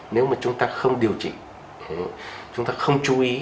nếu mà chúng ta không điều trị chúng ta không chú ý